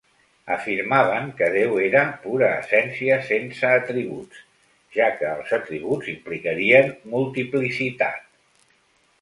Afirmaven que Déu era pura essència sense atributs, ja que els atributs implicarien multiplicitat.